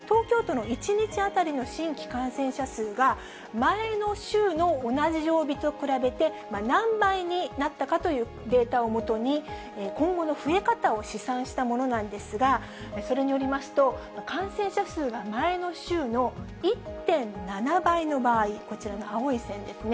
こちらは京都大学の西浦教授らのシミュレーションなんですけれども、東京都の１日当たりの新規感染者数が、前の週の同じ曜日と比べて、何倍になったかというデータを基に、今後の増え方を試算したものなんですが、それによりますと、感染者数が前の週の１．７倍の場合、こちらの青い線ですね。